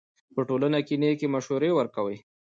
په ټولنه کښي نېکي مشورې ورکوئ!